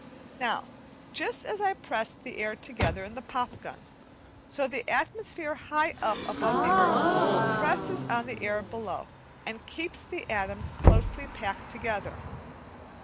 Now, just as I pressed the air together in the pop gun, so the atmosphere high up above the earth presses on the air below and keeps the atoms closely packed together.